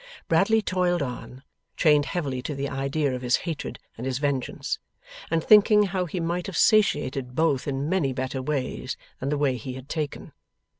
Bradley toiled on, chained heavily to the idea of his hatred and his vengeance, and thinking how he might have satiated both in many better ways than the way he had taken.